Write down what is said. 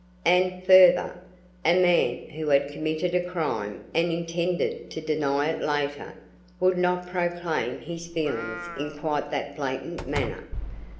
And further, a man who had committed a crime and intended to deny it later, would not proclaim his feelings in quite that blatant manner.